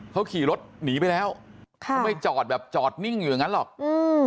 เขาขี่รถหนีไปแล้วค่ะเขาไม่จอดแบบจอดนิ่งอยู่อย่างงั้นหรอกอืม